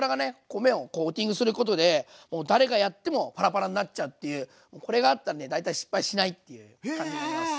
米をコーティングすることでもう誰がやってもパラパラになっちゃうっていうこれがあったらね大体失敗しないっていう感じになります。